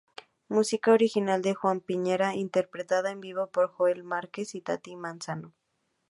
Música original de Juan Piñera, interpretada en vivo por Joel Márquez y Tati Manzano.